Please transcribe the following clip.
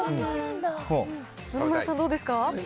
野々村さん、どうですか？